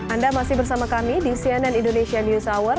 anda masih bersama kami di cnn indonesia news hour